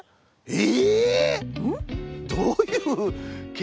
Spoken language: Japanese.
え？